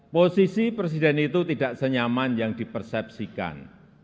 posisi presiden itu tidak senyaman yang dipersepsikan